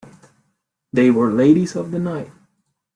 They were ladies of the night.